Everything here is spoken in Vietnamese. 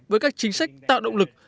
với các chính sách tạo động lực